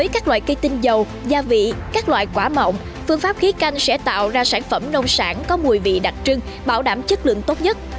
các loại cây tinh dầu gia vị các loại quả mộng phương pháp khí canh sẽ tạo ra sản phẩm nông sản có mùi vị đặc trưng bảo đảm chất lượng tốt nhất